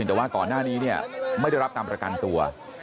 แต่ว่าก่อนหน้านี้เนี่ยไม่ได้รับการประกันตัว